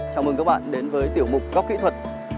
chào mừng các bạn đến với tiểu mục góc kỹ thuật